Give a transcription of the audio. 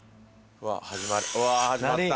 うわ始まった。